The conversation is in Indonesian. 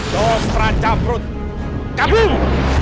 dosra cabut kabung